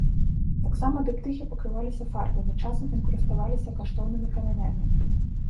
Таксама дыптыхі пакрываліся фарбамі, часам інкруставаліся каштоўнымі камянямі.